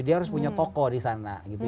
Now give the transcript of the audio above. dia harus punya toko di sana gitu